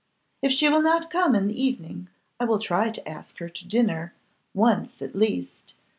If she will not come in the evening, I will try to ask her to dinner, once at least.